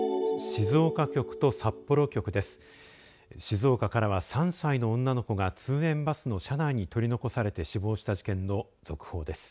静岡からは３歳の女の子が通園バスの車内に取り残されて死亡した事件の続報です。